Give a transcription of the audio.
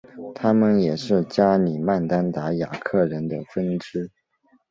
他们也是加里曼丹达雅克人的分支。